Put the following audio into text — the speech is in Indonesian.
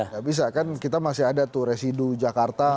gak bisa kan kita masih ada tuh residu jakarta